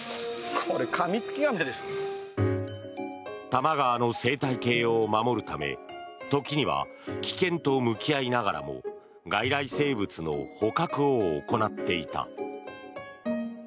多摩川の生態系を守るため時には危険と向き合いながらも外来生物の捕獲を行っていた。